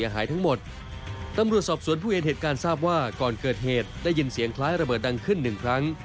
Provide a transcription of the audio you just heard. เหตุการณ์ทราบว่าก่อนเกิดเหตุได้ยินเสียงคล้ายระเบิดดังขึ้นหนึ่งครั้ง